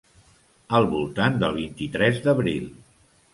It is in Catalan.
Al voltant del vint-i-tres d’abril.